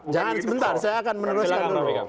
jangan sebentar saya akan meneruskan dulu